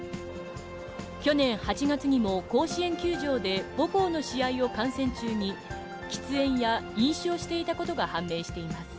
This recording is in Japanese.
去年８月にも甲子園球場で母校の試合を観戦中に、喫煙や飲酒をしていたことが判明しています。